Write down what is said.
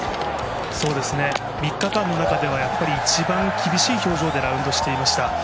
３日間の中では一番厳しい表情でプレーしていました。